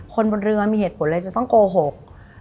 คนบนเรือมีเหตุผลอะไรจะต้องโกหก